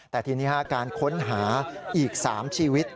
แต่ทีนี้การค้นหาอีก๓ชีวิต